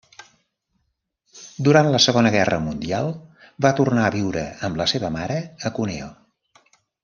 Durant la Segona Guerra Mundial va tornar a viure amb la seva mare a Cuneo.